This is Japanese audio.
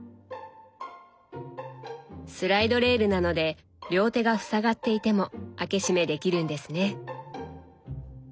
スライドレールなので両手がふさがっていても開け閉めできるんですね。